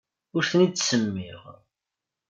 Ur ten-id-ttsemmiɣ.